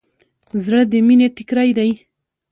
زړه د مینې ټیکری دی.